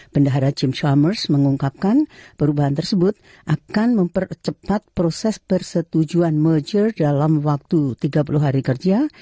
bendahara jim shammerce mengungkapkan perubahan tersebut akan mempercepat proses persetujuan merger dalam waktu tiga puluh hari kerja